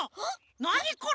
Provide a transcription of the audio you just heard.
なにこれ！？